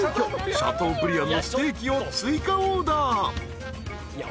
シャトーブリアンのステーキを追加オーダー］